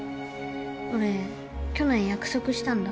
俺去年約束したんだ。